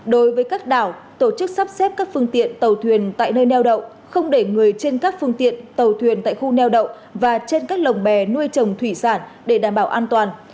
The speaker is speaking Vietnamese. đối với các đảo tổ chức sắp xếp các phương tiện tàu thuyền tại nơi neo đậu không để người trên các phương tiện tàu thuyền tại khu neo đậu và trên các lồng bè nuôi trồng thủy sản để đảm bảo an toàn